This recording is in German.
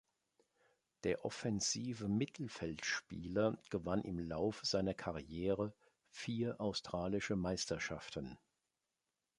Der offensive Mittelfeldspieler gewann im Laufe seiner Karriere vier australische Meisterschaften.